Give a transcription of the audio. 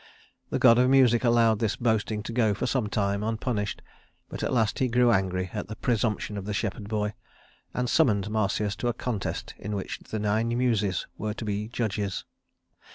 The god of music allowed this boasting to go for some time unpunished; but at last he grew angry at the presumption of the shepherd boy, and summoned Marsyas to a contest in which the nine Muses were to be judges.